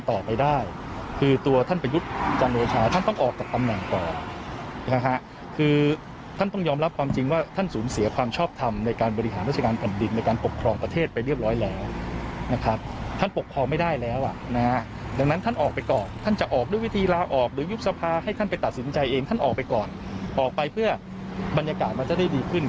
ออกไปเพื่อบรรยากาศมันจะได้ดีขึ้น